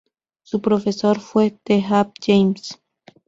Su profesor fue T ap James.